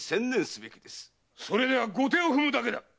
それでは後手を踏むだけだ！